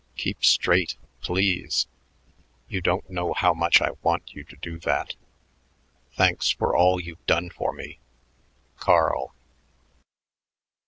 Keep straight, please. You don't know how much I want you to do that. Thanks for all you've done for me. CARL.